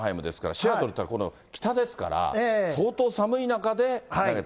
シアトルというのは、北ですから、相当寒い中で、投げた。